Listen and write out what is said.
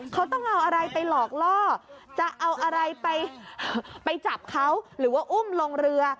เขาต้องเอาอะไรไปหลอกล่อจะเอาอะไรไปจับเขาหรือว่าอุ้มลงเรือ